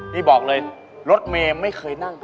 นี่บอกเลยรถเมย์ไม่เคยนั่ง